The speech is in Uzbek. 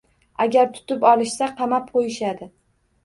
Agar tutib olishsa, qamab qoʻyishadi.